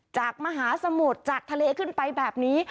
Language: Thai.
จากมหาสมุทรจากทะเลขึ้นไปแบบนี้